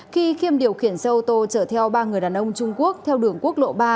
khi khiêm điều khiển xe ô tô chở theo ba người đàn ông trung quốc theo đường quốc lộ ba